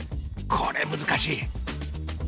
これ難しい！